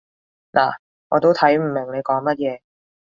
嗱，我都睇唔明你講乜嘢